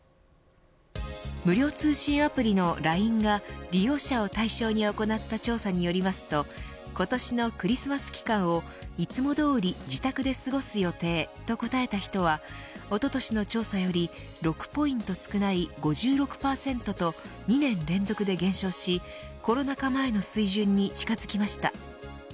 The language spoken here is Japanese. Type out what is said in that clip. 無料通信アプリのＬＩＮＥが利用者を対象に行った調査によりますと今年のクリスマス期間をいつもどおり自宅で過ごす予定と答えた人はおととしの調査より６ポイント少ない５６％と２年連続で減少しコロナ禍前の水準に近づきました。